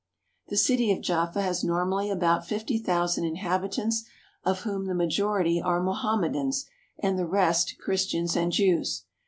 The city of Jaffa has normally about fifty thousand inhabitants of whom the majority are Mohammedans and the rest Christians and Jews.